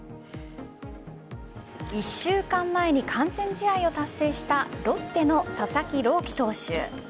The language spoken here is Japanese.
１週間前に完全試合を達成したロッテの佐々木朗希投手。